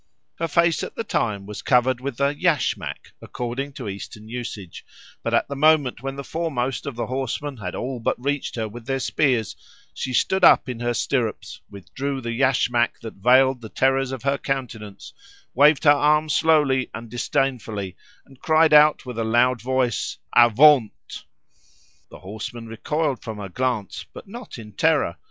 Her face at the time was covered with the yashmak, according to Eastern usage, but at the moment when the foremost of the horsemen had all but reached her with their spears, she stood up in her stirrups, withdrew the yashmak that veiled the terrors of her countenance, waved her arm slowly and disdainfully, and cried out with a loud voice "Avaunt!" The horsemen recoiled from her glance, but not in terror.